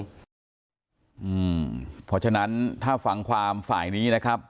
เพราะฉะนั้นถ้าฟังความฝ่ายนี้นะครับ